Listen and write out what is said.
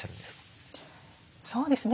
そうですね。